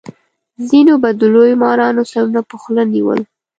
ځینو به د لویو مارانو سرونه په خوله نیول.